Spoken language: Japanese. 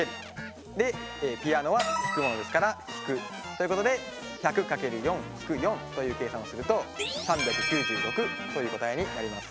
でピアノは弾くものですから−。ということで１００×４−４という計算をすると３９６という答えになります。